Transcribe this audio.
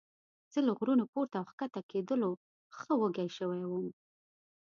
زه له غرونو پورته او ښکته کېدلو ښه وږی شوی وم.